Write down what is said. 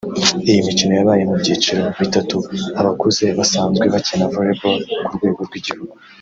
Iyi mikino yabaye mu byiciro bitatu; abakuze basanzwe bakina Volleyball ku rwego rw’igihugu